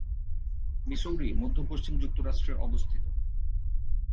Missouri মধ্য-পশ্চিম যুক্তরাষ্ট্রে অবস্থিত।